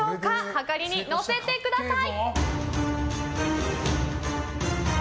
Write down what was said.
はかりに乗せてください。